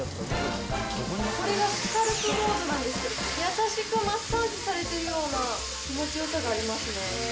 これがスカルプモードなんですけど、優しくマッサージされてるような気持ちよさがありますね。